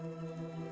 setiap senulun buat